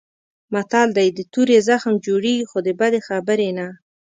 متل دی: د تورې زخم جوړېږي خو د بدې خبرې نه.